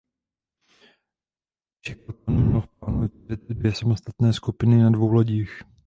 Shackelton měl v plánu vytvořit dvě samostatné skupiny na dvou lodích.